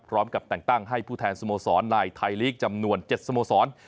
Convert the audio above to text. พร้อมกับแต่งตั้งให้ผู้แทนสโมสรในไทยลีกจำนวน๗สโมสร